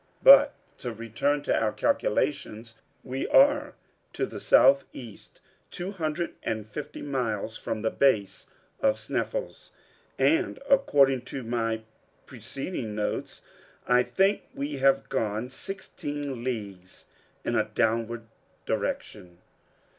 But to return to our calculations. We are to the southeast, two hundred and fifty miles from the base of Sneffels, and, according to my preceding notes, I think we have gone sixteen leagues in a downward direction."